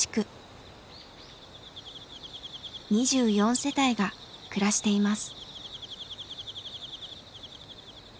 ２４世帯が暮らしています。